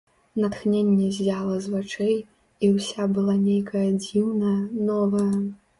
Натхненне ззяла з вачэй, і ўся была нейкая дзіўная, новая.